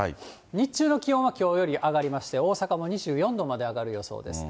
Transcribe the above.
日中の気温はきょうより上がりまして、大阪も２４度まで上がる予想です。